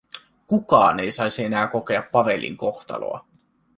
Kukaan ei saisi enää kokea Pavelin kohtaloa.